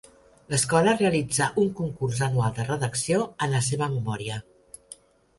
L'escola realitza un concurs anual de redacció en la seva memòria.